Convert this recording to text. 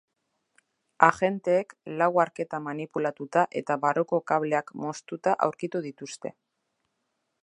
Agenteek lau arketa manipulatuta eta barruko kableak moztuta aurkitu dituzte.